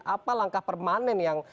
apa langkah permanen yang